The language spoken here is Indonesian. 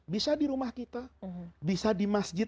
bisa di rumah kita bisa di masjid